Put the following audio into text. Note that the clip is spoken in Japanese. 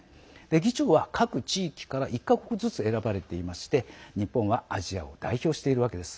議長は各地域から１か国ずつ選ばれていまして日本はアジアを代表しているわけです。